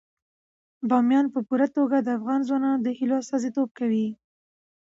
بامیان په پوره توګه د افغان ځوانانو د هیلو استازیتوب کوي.